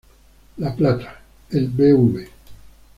La Plata, el Bv.